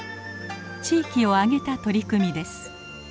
地域を挙げた取り組みです。